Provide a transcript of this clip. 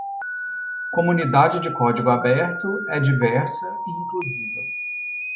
Comunidade de código aberto é diversa e inclusiva.